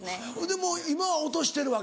もう今は落としてるわけ？